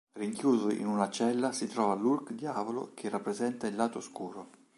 Rinchiuso in una cella si trova l'Hulk Diavolo che rappresenta il lato oscuro.